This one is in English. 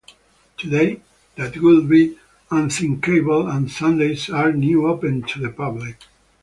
Today, that would be unthinkable, and Sundays are now open to the public.